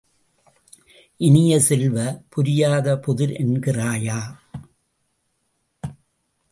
இனிய செல்வ, புரியாதபுதிர் என்கிறாயா?